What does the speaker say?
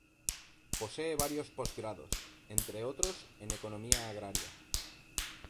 Posee varios posgrados, entre otros, en economía agraria.